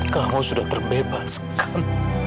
kamu sudah terbebaskan